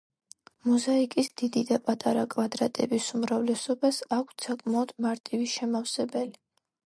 მოზაიკის დიდი და პატარა კვადრატების უმრავლესობას აქვთ საკმაოდ მარტივი შემავსებელი.